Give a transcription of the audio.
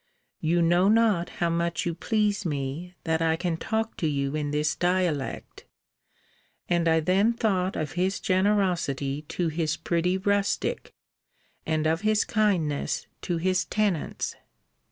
You know not how much you please me, that I can talk to you in this dialect. And I then thought of his generosity to his pretty rustic; and of his kindness to his tenants.